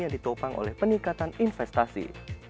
yang ditopang oleh peningkatan investasi